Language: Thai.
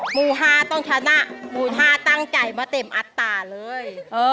หมู่๕ต้องชนะหมู่๕ตั้งใจมาเต็มอัตราเลย